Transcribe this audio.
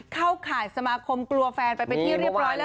เข้าข่ายสมาครมกลัวแฟนไปไปที่เรียบร้อยแล้วครับ